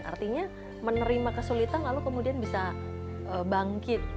artinya menerima kesulitan lalu kemudian bisa bangkit